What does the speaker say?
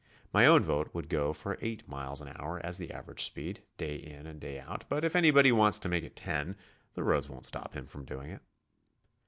My own vote would go for eight miles an hour as the average speed, day in and day out, but if anybody wants to make it ten, the roads won't stop him from doing iT.